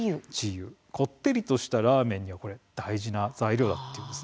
こってりとしたラーメンには大事な材料なんです。